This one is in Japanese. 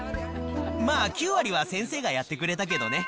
まあ、９割は先生がやってくれたけどね。